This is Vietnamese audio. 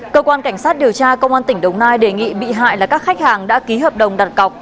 cơ quan cảnh sát điều tra công an tỉnh đồng nai đề nghị bị hại là các khách hàng đã ký hợp đồng đặt cọc